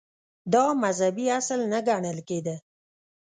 • دا مذهبي اصل نه ګڼل کېده.